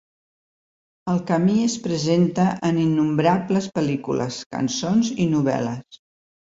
El camí es presenta en innombrables pel·lícules, cançons i novel·les.